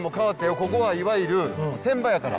ここはいわゆる船場やから。